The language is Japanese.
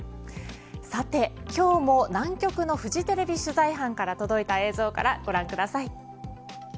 さて今日も南極のフジテレビ取材班から届いた映像からご覧ください。